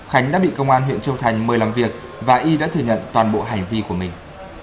khánh đã bị công an huyện châu thành mời làm việc và y đã thừa nhận toàn bộ hành vi của mình